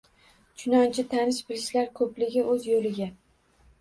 Chunonchi, tanish-bilishlar ko‘pligi o‘z yo‘liga.